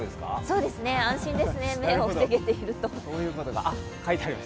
そうですね、安心ですね、目を防げていると。